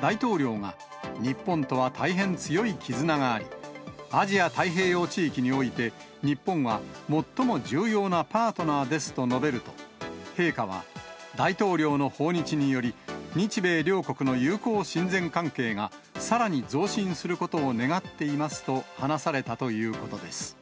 大統領が、日本とは大変強い絆があり、アジア太平洋地域において、日本は最も重要なパートナーですと述べると、陛下は、大統領の訪日により、日米両国の友好親善関係がさらに増進することを願っていますと話されたということです。